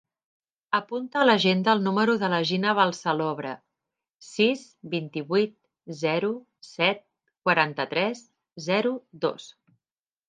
Apunta a l'agenda el número de la Gina Balsalobre: sis, vint-i-vuit, zero, set, quaranta-tres, zero, dos.